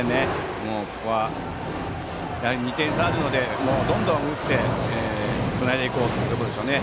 ここは２点差があるのでどんどん打って、つないでいこうというところでしょうね。